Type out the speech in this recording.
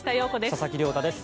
佐々木亮太です。